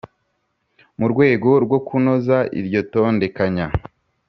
mu rwego rwo kunoza iryo tondekanya,